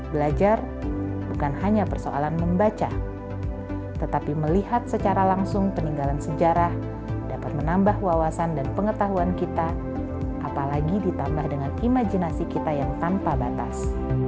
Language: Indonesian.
belajar bukan hanya persoalan membaca tetapi melihat secara langsung peninggalan sejarah dapat menambah wawasan dan pengetahuan kita apalagi ditambah dengan imajinasi kita yang tanpa batas